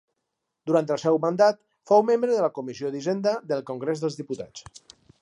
Durant el seu mandat fou membre de la Comissió d'Hisenda del Congrés dels Diputats.